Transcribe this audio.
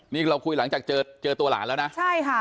นี่เราคุยหลังจากเจอตัวหลานแล้วนะ